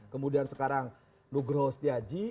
kemudian sekarang nugroho setiaji